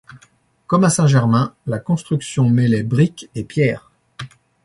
Comme à Saint Germain, la construction mêlait brique et pierre.